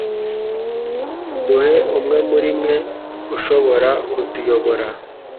duhe umwe muri mwe ushobora kutuyobora